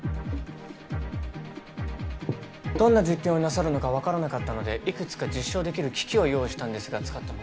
どんな実験をなさるのかわからなかったのでいくつか実証できる機器を用意したんですが使っても？